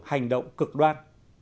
hành động cực đoan